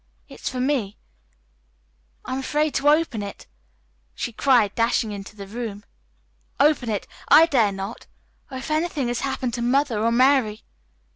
It's for me. I'm afraid to open it," she cried, dashing into the room. "Open it. I dare not. Oh, if anything has happened to Mother or Mary!"